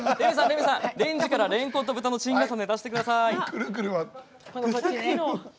レミさん、レンジから「れんこんと豚のチン重ね」を出してください。